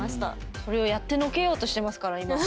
それをやってのけようとしてますから今。